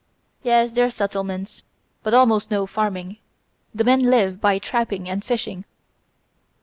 Yes, there are settlements, but almost no farming; the men live by trapping and fishing